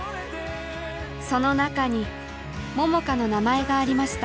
その中に桃佳の名前がありました。